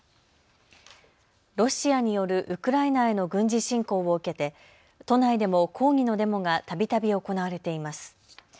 ロシアによるウクライナへの軍事侵攻を受けて都内でも抗議のデモがたびたび行われています。